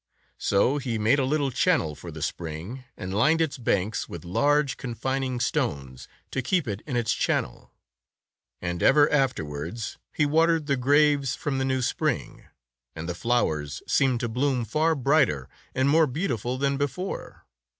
So he made a little channel for the spring, and lined its banks with large confining stones, to keep it in its channel. And ever afterwards he watered the graves from the new spring, and the flowers seemed to bloom far brighter and more beautiful than before.